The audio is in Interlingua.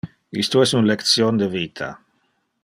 Isto es un lection de vita.